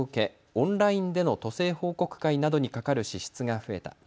オンラインでの都政報告会などにかかる支出が増えた。